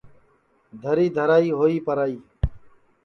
دَھری دَھرائی ہوئی پرائی